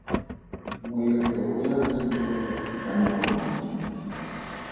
Moletlo o ya go simolola ka nako mang?